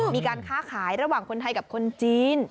มีการค้าขายระหว่างคนไทยกับคนจีน